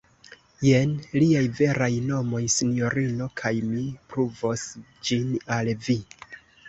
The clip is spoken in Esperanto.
jen liaj veraj nomoj, sinjorino, kaj mi pruvos ĝin al vi.